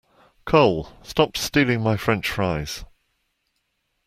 Cole, stop stealing my french fries!